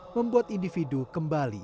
membuat individu kembali